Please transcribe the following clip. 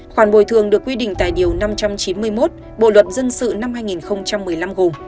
khoản bồi thường được quy định tại điều năm trăm chín mươi một bộ luật dân sự năm hai nghìn một mươi năm gồm